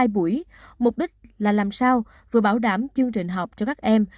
hai buổi mục đích là làm sao vừa bảo đảm chương trình học cho các em